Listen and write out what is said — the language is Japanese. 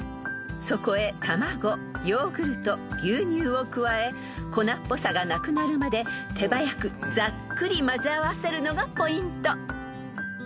［そこへ卵ヨーグルト牛乳を加え粉っぽさがなくなるまで手早くざっくり混ぜ合わせるのがポイント］